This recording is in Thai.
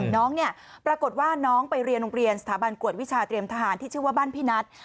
น้องเนี่ยปรากฏว่าน้องไปเรียนโรงเรียนสถาบันกวดวิชาเตรียมทหารที่ชื่อว่าบ้านพี่นัท